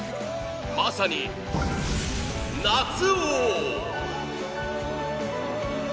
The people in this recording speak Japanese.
まさに夏王！